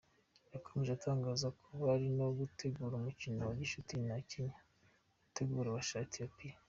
Yakomeje atangaza ko bari no gutegura umukino wa gicuti na Kenya utegura uwa Ethiopie.